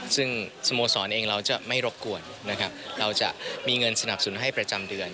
ซึ่งสโมสรเองเราจะไม่รบกวนนะครับเราจะมีเงินสนับสนุนให้ประจำเดือน